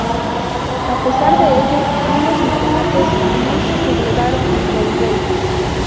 A pesar de ello, ambos magnates no se sublevaron contra el rey.